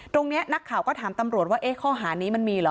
ตรงนี้นักข่าวก็ถามตำรวจว่าข้อหานี้มันมีเหรอ